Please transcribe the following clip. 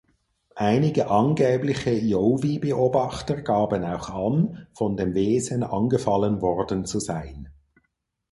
Einige angebliche Yowie-Beobachter gaben auch an, von dem Wesen angefallen worden zu sein.